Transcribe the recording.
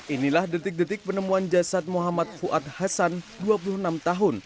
inilah detik detik penemuan jasad muhammad fuad hasan dua puluh enam tahun